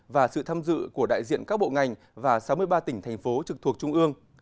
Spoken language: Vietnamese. và sự tham dự của đại diện các bộ ngành và sáu mươi ba tỉnh thành phố trực thuộc trung ương